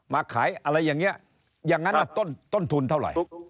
มาขายอะไรอย่างนี้อย่างนั้นต้นทุนเท่าไหร่